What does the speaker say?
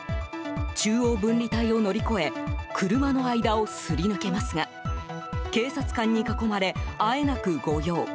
中央分離帯を乗り越え車の間をすり抜けますが警察官に囲まれ、あえなく御用。